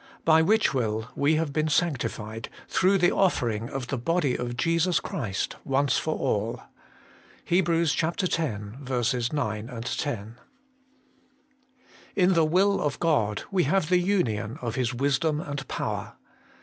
By which will we have been sanctified, through the offering of the body of Jesus Christ once for all.' HEB. x. 9, 10. IN the will of God we have the union of His Wisdom and Power.